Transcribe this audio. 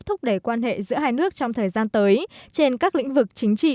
thúc đẩy quan hệ giữa hai nước trong thời gian tới trên các lĩnh vực chính trị